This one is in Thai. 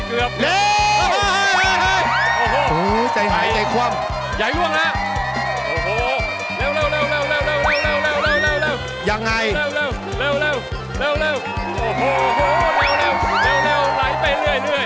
เร็วอีกเร็วอีกเร็วอีกเร็ว